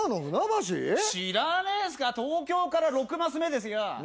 東京から６升目ですよ。